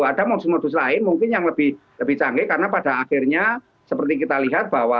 ada modus modus lain mungkin yang lebih canggih karena pada akhirnya seperti kita lihat bahwa